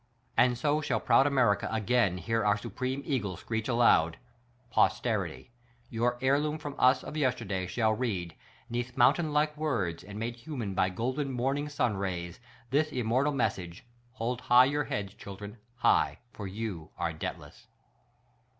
And so_ shall proud America again hear our supreme EAGLE screech aloud : Posterity, your heirloom from us of yesterday shall read— 'neath mountain like words, and made human by golden morning sun rays, this im mortal message: Hold high your heads, children; high — for you are debtless